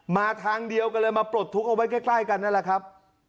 มาทางเดียวกันเลยมาปลดทุกข์เอาไว้ใกล้กันนั่นแหละครับ